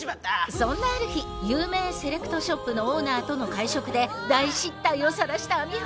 そんなある日有名セレクトショップのオーナーとの会食で大失態をさらした網浜。